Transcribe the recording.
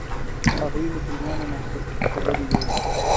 هغوی له دنیا نه نا خبرې وې.